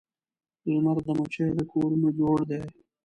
لمر د مچېو د کورونو جوړ دی